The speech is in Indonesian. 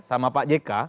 sama pak jk